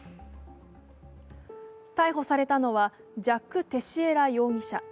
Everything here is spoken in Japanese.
逮捕されたのはジャック・テシエラ容疑者。